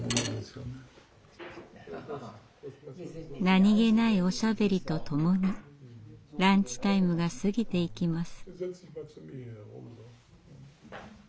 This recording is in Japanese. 何気ないおしゃべりとともにランチタイムが過ぎていきます。